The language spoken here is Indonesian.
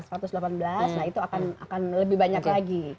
nah itu akan lebih banyak lagi